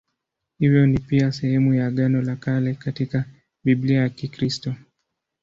Hivyo ni pia sehemu ya Agano la Kale katika Biblia ya Kikristo.